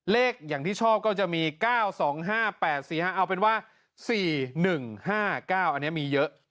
เลขอย่างที่ชอบก็จะมี๙๒๕๘๔๕เอาเป็นว่า๔๑๕๙อันนี้มีเยอะ